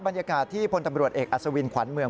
บรรยากาศที่พลตำรวจเอกอัศวินขวัญเมือง